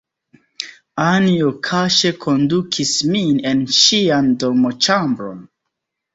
Anjo kaŝe kondukis min en ŝian dormoĉambron.